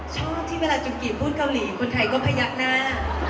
ชอบที่เวลาจุงกิจพูดเกาหลีคุณไทยก็พยักหน้า